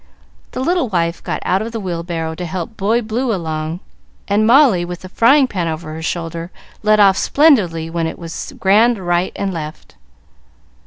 The little wife got out of the wheelbarrow to help "Boy Blue" along, and Molly, with the frying pan over her shoulder, led off splendidly when it was "Grand right and left."